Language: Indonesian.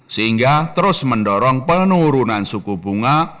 sehingga terus mendorong penurunan suku bunga